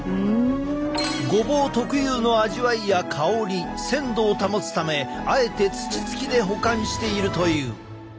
ごぼう特有の味わいや香り鮮度を保つためあえて土つきで保管しているという。